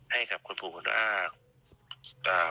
ให้กับคุณปู่คุณอ้า